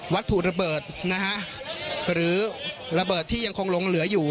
วัตถุระเบิดนะฮะหรือระเบิดที่ยังคงลงเหลืออยู่